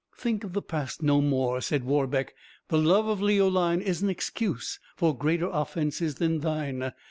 "Think of the past no more," said Warbeck; "the love of Leoline is an excuse for greater offences than thine.